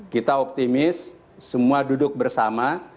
kita optimis semua duduk bersama